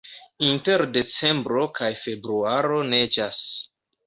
Inter decembro kaj februaro neĝas.